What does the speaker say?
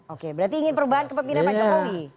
oke berarti ingin perubahan kepemimpinan pak jokowi